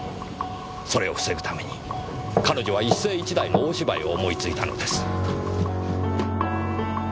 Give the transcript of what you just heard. それを防ぐために彼女は一世一代の大芝居を思いついたのです。